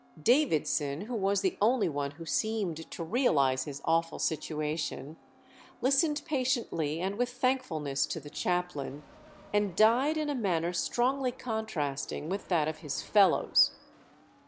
Davidson, who was the only one who seemed to realize his awful situation, listened patiently and with thankfulness to the chaplain, and died in a manner strongly contrasting with that of his fellows.